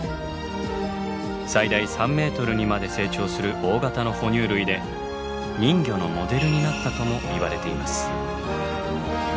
最大３ｍにまで成長する大型の哺乳類で人魚のモデルになったともいわれています。